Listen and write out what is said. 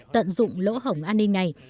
tận dụng lỗ hổng an ninh này